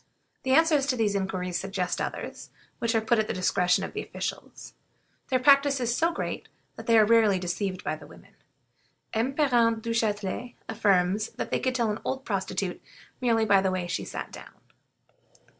The answers to these inquiries suggest others, which are put at the discretion of the officials. Their practice is so great that they are rarely deceived by the women; M. Parent Duchatelet affirms that they could tell an old prostitute merely by the way she sat down.